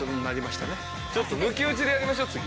ちょっと抜き打ちでやりましょ次。